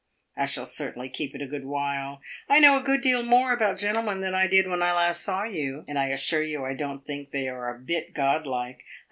I shall certainly keep it a good while. I know a good deal more about gentlemen than I did when I last saw you, and I assure you I don't think they are a bit god like.